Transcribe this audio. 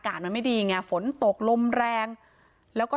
พระเจ้าที่อยู่ในเมืองของพระเจ้า